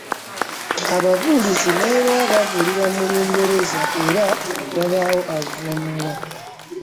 Ababuulizi ne bwe baba babuulira mu Lungereza era wabaawo avvuunula